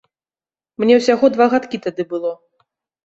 Мне ўсяго два гадкі тады было.